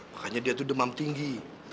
makanya dia itu demam tinggi